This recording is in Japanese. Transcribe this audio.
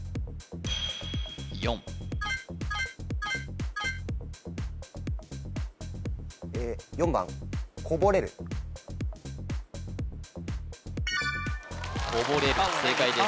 ４こぼれる正解です・